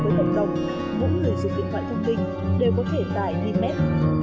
mỗi người dùng điện thoại thông tin đều có thể tải đi mép